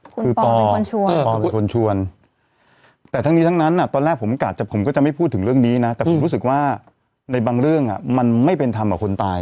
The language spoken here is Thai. คือปอเป็นคนชวนแต่ทั้งนี้ทั้งนั้นตอนแรกผมกะผมก็จะไม่พูดถึงเรื่องนี้นะแต่ผมรู้สึกว่าในบางเรื่องมันไม่เป็นธรรมกับคนตาย